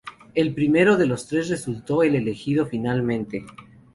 El primero de los tres resultó el elegido finalmente.